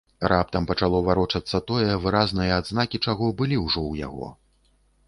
Раптам пачало варочацца тое, выразныя адзнакі чаго былі ўжо ў яго.